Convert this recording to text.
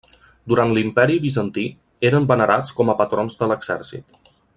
Durant l'imperi Bizantí, eren venerats com a patrons de l'exèrcit.